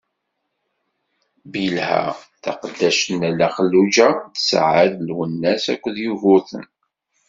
Bilha, taqeddact n Lalla Xelluǧa tesɛa-as-d: Lwennas akked Yugurten.